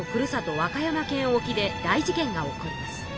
和歌山県おきで大事件が起こります。